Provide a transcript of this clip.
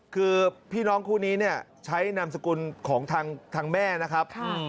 คือพี่น้องคู่นี้เนี่ยใช้นามสกุลของทางแม่นะครับ